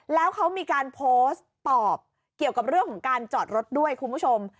แล้วเขามีการโพสต์ตอบเกี่ยวกับเรื่องของการจอดรถด้วยคุณผู้ชม